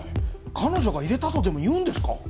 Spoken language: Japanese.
彼女が入れたとでも言うんですか？